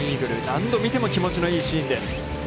何度見ても気持ちのいいシーンです。